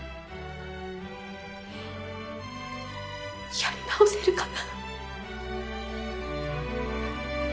やり直せるかな？